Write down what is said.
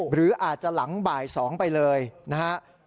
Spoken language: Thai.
หรืออาจจะหลังบ่าย๒ไปเลยนะครับ